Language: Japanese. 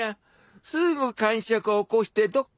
すぐかんしゃくを起こしてどっか行きよる。